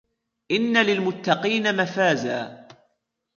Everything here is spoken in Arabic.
إِنَّ لِلْمُتَّقِينَ مَفَازًا